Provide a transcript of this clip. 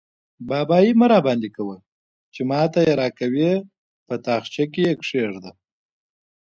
بابايي مه راباندې کوه؛ چې ما ته يې راکوې - په تاخچه کې يې کېږده.